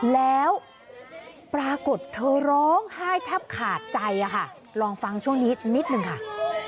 แล้วปรากฏเธอร้องไห้แทบขาดใจค่ะลองฟังช่วงนี้นิดหนึ่งค่ะ